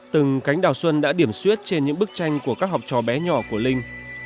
từng cánh đào xuân đã điểm suyết trên những bức tranh của các học trò bé nhỏ của linh